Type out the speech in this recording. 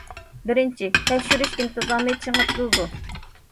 بىرىنچى، تەكشۈرۈش ئىنتىزامى چىڭىتىلىدۇ.